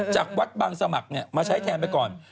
จากวัดบางสมัครมาใช้แทนไปก่อน